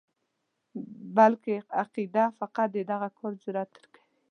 بلکې عقیده فقط د دغه کار جرأت درکوي.